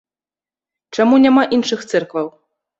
Чаму няма іншых цэркваў?